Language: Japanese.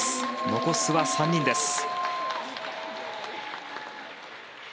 残すは３人です。